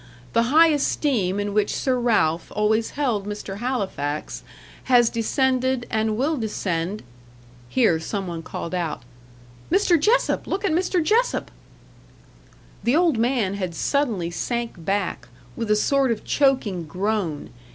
The high esteem in which Sir Ralph always held Mr. Halifax, has descended, and will descend " Here some one called out: "Mr. Jessop! Look at Mr. Jessop!" The old man had suddenly sank back, with a sort of choking groan.